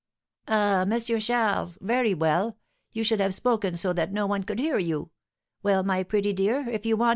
"Ah! M. Charles; very well; you should have spoken so that one could hear you. Well, my pretty dear, if you want M.